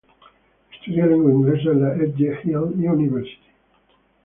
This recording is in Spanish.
Estudió lengua inglesa en la Edge Hill University.